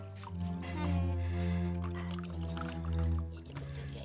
cepet juga ya